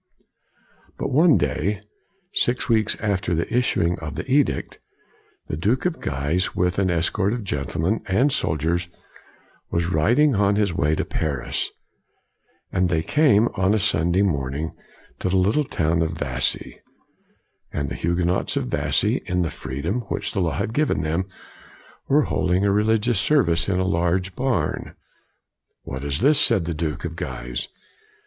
But one day, six weeks after the issuing of the edict, the Duke of Guise, with an escort of gentlemen and soldiers, was rid ing on his way to Paris. And they came on a Sunday morning to the little town of Vassy. And the Huguenots of Vassy, in the freedom which the law had given them, were holding a religious service in a large barn. 156 COLIGNY "What is this?" said the Duke of Guise.